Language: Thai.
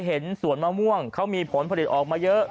สวนมะม่วงเขามีผลผลิตออกมาเยอะ